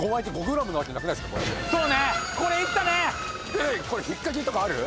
これ引っ掛けとかある？